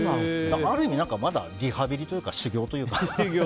ある意味、まだリハビリというか修業というか。